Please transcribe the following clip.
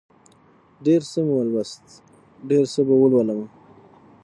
ډېر څه مې ولوست، ډېر څه به ولولمه